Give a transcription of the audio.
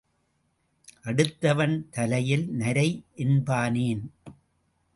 அடுத்தவன் தலையில் நரை என்பானேன்?